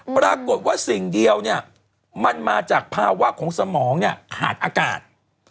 ปรากฏว่าสิ่งเดียวมันมาจากภาวะของสมองขาดอากาศ